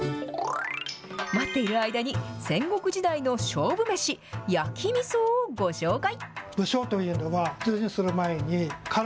待っている間に、戦国時代の勝負めし、焼きみそをご紹介。